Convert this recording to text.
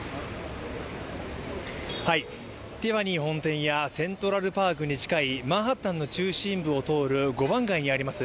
ティファニー本店やセントラルパークに近いマンハッタンの中心部を通る五番街にあります